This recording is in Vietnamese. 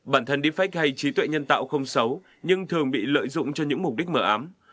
bản thân defect hay trí tuệ nhân tạo không xấu nhưng thường bị lợi dụng cho những mục đích mở ám